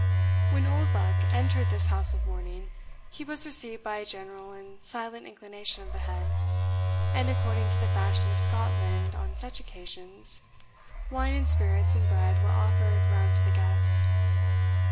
When Oldbuck entered this house of mourning, he was received by a general and silent inclination of the head, and, according to the fashion of Scotland on such occasions, wine and spirits and bread were offered round to the guests.